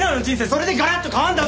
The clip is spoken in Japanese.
それでガラッと変わるんだぞ！